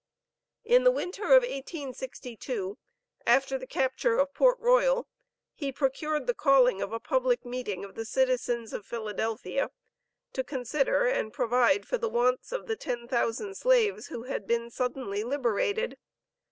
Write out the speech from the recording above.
In the winter of 1862, after the capture of Port Royal, he procured the calling of a public meeting of the citizens of Philadelphia to consider and provide for the wants of the ten thousand slaves who had been suddenly liberated.